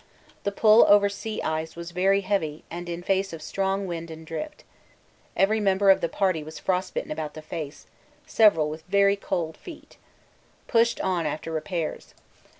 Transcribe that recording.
The pull over sea ice was very heavy and in face of strong wind and drift. Every member of the party was frostbitten about the face, several with very cold feet. Pushed on after repairs.